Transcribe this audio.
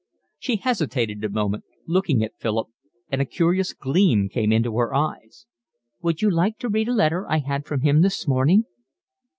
She hesitated a moment, looking at Philip, and a curious gleam came into her eyes. "Would you like to read a letter I had from him this morning?"